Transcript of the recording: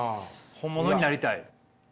本物になりたい。